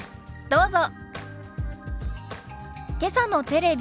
どうぞ。